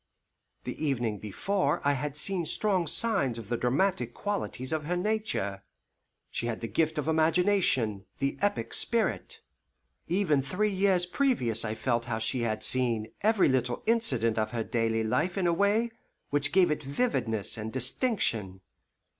The evening before I had seen strong signs of the dramatic qualities of her nature. She had the gift of imagination, the epic spirit. Even three years previous I felt how she had seen every little incident of her daily life in a way which gave it vividness and distinction.